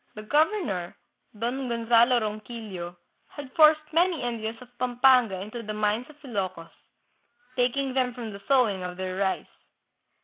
The governor, Don Gonzalo Ronquillo, had forced many Indians of Pampanga into the mines of Ilokos, taking them from the sowing of their rice.